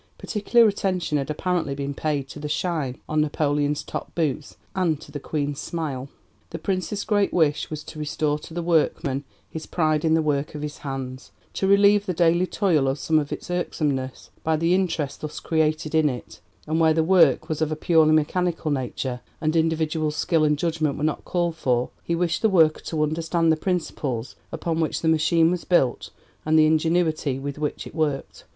Particular attention had apparently been paid to the 'shine' on Napoleon's top boots and to the Queen's smile! The Prince's great wish was to restore to the workman his pride in the work of his hands, to relieve the daily toil of some of its irksomeness by the interest thus created in it, and, where the work was of a purely mechanical nature, and individual skill and judgment were not called for, he wished the worker to understand the principles upon which the machine was built and the ingenuity with which it worked.